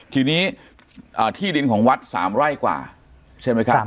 ทีนี้ที่ดินของวัด๓ไร่กว่าใช่ไหมครับ